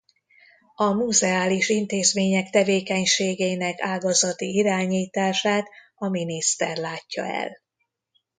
A muzeális intézmények tevékenységének ágazati irányítását a miniszter látja el.